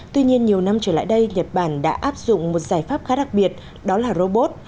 tuy nhiên nhiều năm trở lại đây nhật bản đã áp dụng một giải pháp khá đặc biệt đó là robot